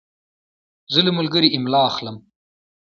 زه له ملګري املا اخلم.